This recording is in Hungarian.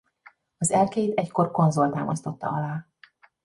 Az erkélyt egykor konzol támasztotta alá.